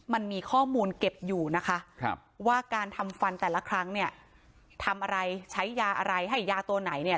มันมีข้อมูลเก็บอยู่นะคะว่าการทำฟันแต่ละครั้งเนี่ยทำอะไรใช้ยาอะไรให้ยาตัวไหนเนี่ย